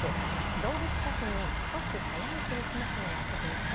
動物たちに少し早いクリスマスがやってきました。